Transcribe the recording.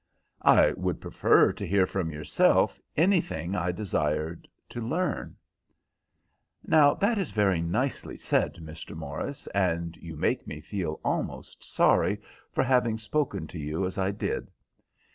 "I would prefer to hear from yourself anything I desired to learn." "Now, that is very nicely said, Mr. Morris, and you make me feel almost sorry, for having spoken to you as I did.